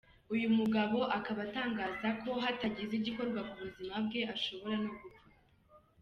Uyu mugabo akaba atangaza ko hatagize igikorwa ku buzima bwe ashobora no gupfa.